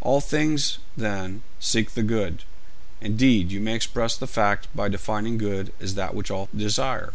'All things, then, seek the good; indeed, you may express the fact by defining good as that which all desire.'